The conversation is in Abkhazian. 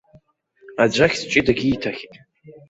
Аӡә ахьӡ ҷыдагь ииҭахьеит.